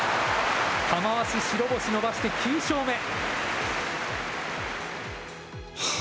玉鷲、白星伸ばして９勝目。